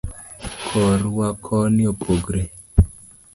korwa koni opogre